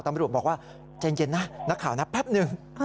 ตำรวจบอกว่าใจเย็นนะนักข่าวนะแป๊บหนึ่ง